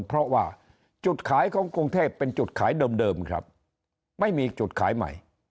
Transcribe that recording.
เพราะว่าจุดขายของกรุงเทพเป็นจุดขายเดิมครับไม่มีจุดขายใหม่